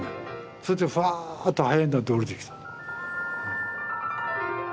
そしてふわっと灰になって下りてきた。